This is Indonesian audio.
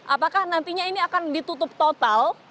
apakah nantinya ini akan ditutup total